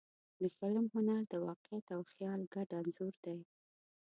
د فلم هنر د واقعیت او خیال ګډ انځور دی.